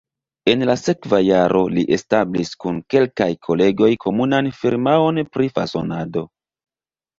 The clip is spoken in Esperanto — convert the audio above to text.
En la sekva jaro li establis kun kelkaj kolegoj komunan firmaon pri fasonado.